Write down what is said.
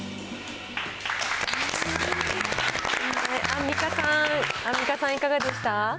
アンミカさん、アンミカさん、いかがでした？